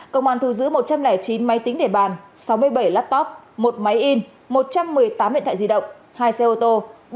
công an thu giữ một trăm linh chín máy tính để bàn sáu mươi bảy laptop một máy in một trăm một mươi tám điện thoại di động hai xe ô tô